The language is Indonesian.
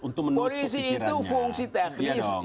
untuk menutup kebijirannya polisi itu fungsi teknis